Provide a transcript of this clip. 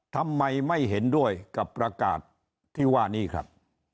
ทำไมไม่เห็นด้วยกับประกาศที่ว่านี้ครับ